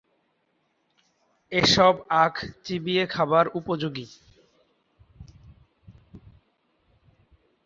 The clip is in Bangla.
এসব আখ চিবিয়ে খাবার উপযোগী।